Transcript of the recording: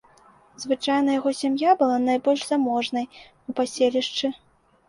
Звычайна яго сям'я была найбольш заможнай у паселішчы.